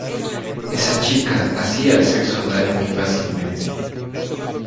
Esa chica hacía el sexo anal muy fácilmente.